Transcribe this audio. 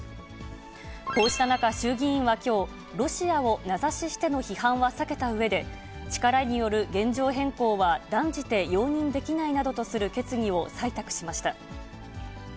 こうした中、衆議院はきょう、ロシアを名指ししての批判は避けたうえで、力による現状変更は断じて容認できないなどとする決議を採択しました。